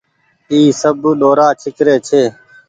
اي سب ڏورآ ڇيڪري ڇي۔